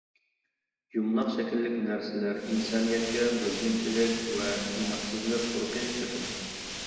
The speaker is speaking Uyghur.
يۇمىلاق شەكىللىك نەرسىلەر ئىنسانىيەتكە بۆلگۈنچىلىك ۋە ئىناقسىزلىق ئۇرۇقى چاچىدۇ.